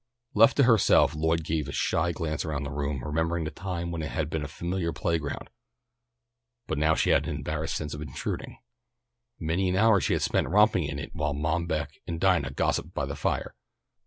Left to herself Lloyd gave a shy glance around the room, remembering the time when it had been a familiar playground, but now she had an embarrassed sense of intruding. Many an hour she had spent romping in it while Mom Beck and Dinah gossiped by the fire.